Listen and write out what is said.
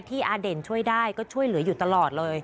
อาเด่นช่วยได้ก็ช่วยเหลืออยู่ตลอดเลย